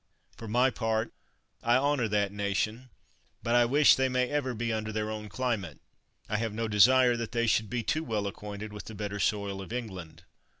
For my part, I honor that nation, but I wish they may ever be under their own climate. I have no desire that they should be too well acquainted with the better soil of England.